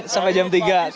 sampai jam tiga